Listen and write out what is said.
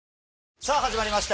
さぁ始まりました